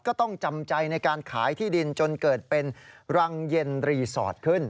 ก็ต้องจำใจในการขายที่ดินจนเกิดเป็นรังเย็นรีสอร์ทขึ้น